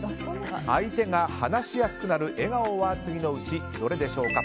相手が話しやすくなる笑顔は次のうちどれでしょうか？